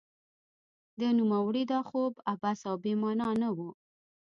د نوموړي دا خوب عبث او بې مانا نه و.